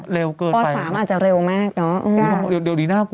เร็วเกินไปนะครับพ่อ๓อาจจะเร็วมากเนอะอืมค่ะเดี๋ยวดีน่ากลัว